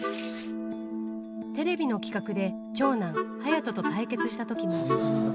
テレビの企画で長男、颯人と対決したときも。